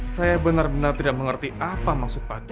saya benar benar tidak mengerti apa maksud pacu